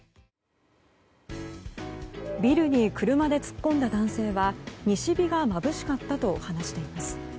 ビルに車で突っ込んだ男性は西日がまぶしかったと話しています。